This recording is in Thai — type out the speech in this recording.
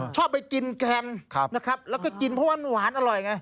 ชอบไปกินแกงนะครับแล้วก็กินเพราะว่าหวานอร่อยไง